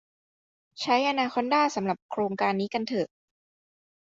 ใช้อนาคอนดาสำหรับโครงการนี้กันเถอะ